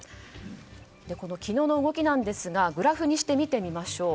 昨日の動きなんですがグラフにして見てみましょう。